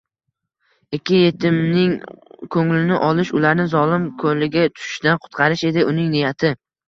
Ikki yetimning qo'nglini olish—ularni zolim ko'liga tushishdan kutqarish edi uning niyati.